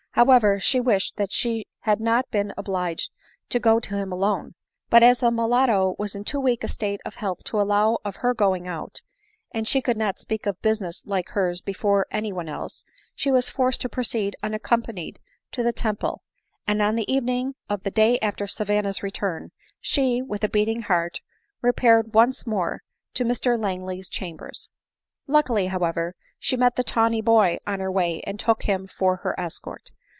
However, she wishfed that she had not been obliged to go to him alone ; but as the mulatto was in too weak a state of health to allow of her going out, and she could not speak of business like hers before any one else, she was forced to proceed unaccompanied to the Temple ; and on the evening of the day after Savanna's return, she, with a beating heart, repaired once more to Mr Langley's chambers. Luckily, however, she met the tawny boy on her way, and took him for her escort.